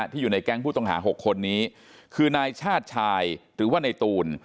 อยู่ในแก๊งผู้ต้องหา๖คนนี้คือนายชาติชายหรือว่าในตูน